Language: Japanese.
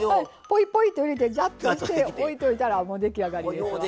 ぽいぽいと入れてジャッとして置いといたらもう出来上がりですわ。